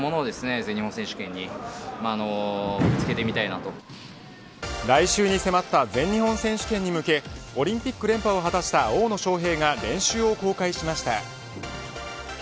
涙で来週に迫った全日本選手権に向けオリンピック連覇を果たした大野将平が練習を公開しました。